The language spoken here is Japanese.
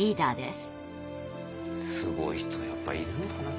すごい人やっぱいるんだな。